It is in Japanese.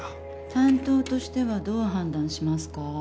担当としてはどう判断しますか？